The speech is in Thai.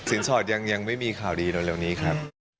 สินสอดยังไม่มีข่าวดีตอนนี้ครับ